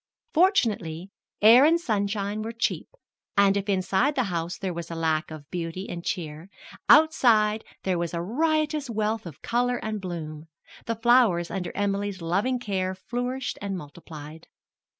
Fortunately, air and sunshine were cheap, and, if inside the house there was lack of beauty and cheer, outside there was a riotous wealth of color and bloom the flowers under Emily's loving care flourished and multiplied.